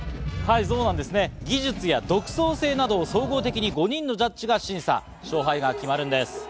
技術や独創性などを総合的に５人のジャッジが審査、勝敗が決まるんです。